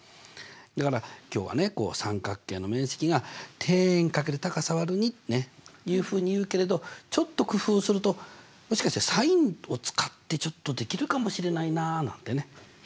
だから今日はね三角形の面積が底辺×高さ÷２というふうにいうけれどちょっと工夫するともしかしたらｓｉｎを使ってちょっとできるかもしれないなあなんてね